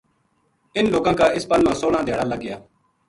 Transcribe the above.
انھ لوکاں کا اس پل ما سوہلاں دھیاڑا لگ گیا